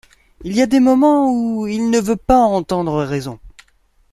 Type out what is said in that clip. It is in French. Il y a des moments où il ne veut pas entendre raison.